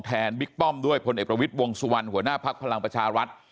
แทนบิกบ้อมด้วยพลเอกระวิทย์วงศวรหัวหน้าพลังประชารัฐ